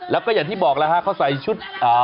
แล้วก็อย่างที่บอกแล้วฮะเขาใส่ชุด